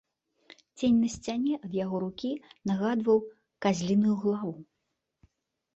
Цень на сцяне ад яго рукі нагадваў казліную галаву.